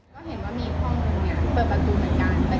ก็เห็นว่ามีโครงลงงานเปิดประตูกันไป